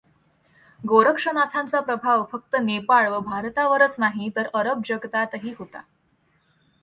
गोरक्षनाथांचा प्रभाव फक्त नेपाळ व भारतावरच नाही तर अरब जगतातही होता.